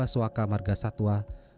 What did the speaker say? dua suaka margasatwa